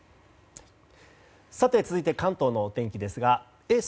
さて続いて関東のお天気ですがえっ！